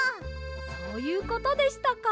そういうことでしたか。